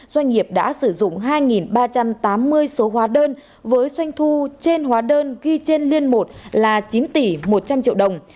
doanh nghiệp đã sử dụng hai ba trăm tám mươi số hóa đơn với doanh thu trên hóa đơn ghi trên liên một là chín tỷ một trăm linh triệu đồng